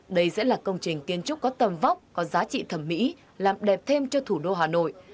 đây sẽ là công trình kiến trúc có tầm vóc có giá trị thẩm mỹ làm đẹp thêm cho thủ đô hà nội